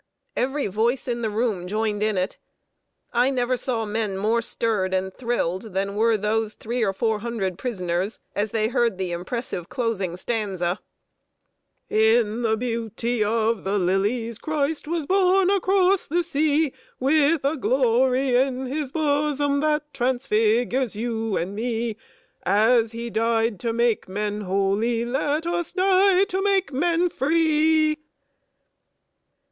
Every voice in the room joined in it. I never saw men more stirred and thrilled than were those three or four hundred prisoners, as they heard the impressive closing stanza: "In the beauty of the lilies, Christ was born across the sea, With a glory in His bosom that transfigures you and me; As He died to make men holy, let us die to make men free!" [Sidenote: EXCITING DISCUSSION IN PRISON.